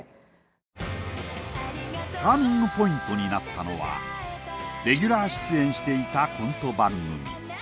ターニングポイントになったのはレギュラー出演していたコント番組。